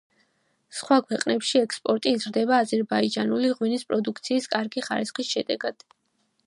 სხვა ქვეყნებში ექსპორტი იზრდება აზერბაიჯანული ღვინის პროდუქციის კარგი ხარისხის შედეგად.